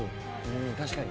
確かに。